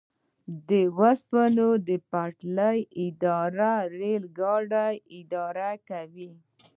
د اوسپنې پټلۍ اداره ریل ګاډي اداره کوي